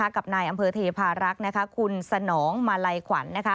กับนายอำเภอเทพารักษ์คุณสนองมาลัยขวัญ